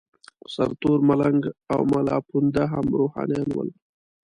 سرتور ملنګ او ملاپوونده هم روحانیون ول.